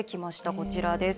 こちらです。